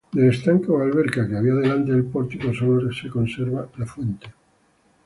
Del estanque o alberca que había delante del pórtico, sólo se conserva la fuente.